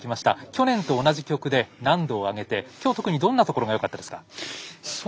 去年と同じ曲で難度を上げて特にどんなところよかったですか。